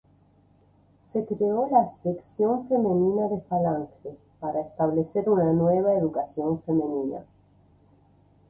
Se creó la Sección femenina de Falange para establecer una nueva educación femenina.